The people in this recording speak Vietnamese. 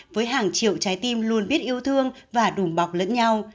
với hàng triệu trái tim luôn biết yêu thương và đùm bọc lẫn nhau